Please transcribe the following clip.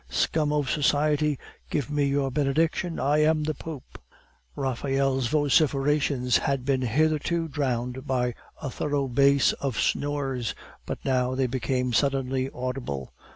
Scum of society, give me your benediction! I am the Pope." Raphael's vociferations had been hitherto drowned by a thorough bass of snores, but now they became suddenly audible.